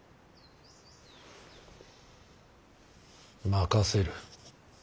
任せる。